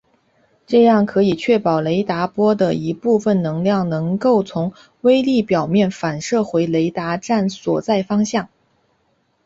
这样可以确保雷达波的一部分能量能够从微粒表面反射回雷达站所在方向。